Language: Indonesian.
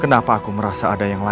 kenapa aku merasa ada yang lain